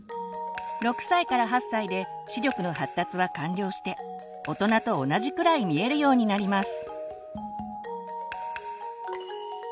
６歳から８歳で視力の発達は完了して大人と同じくらい見えるようになります。